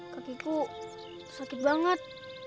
kakiku sakit banget